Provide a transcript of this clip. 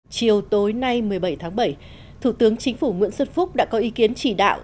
chiều tối nay một mươi bảy tháng bảy thủ tướng chính phủ nguyễn xuân phúc đã có ý kiến chỉ đạo